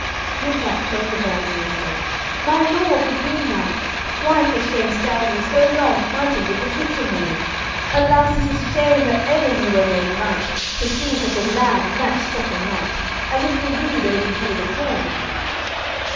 With that came the damsel and said, "My lord, the Green Knight, why for shame stand ye so long fighting with the kitchen knave? Alas, it is shame that ever ye were made knight, to see such a lad match such a knight, as if the weed overgrew the corn."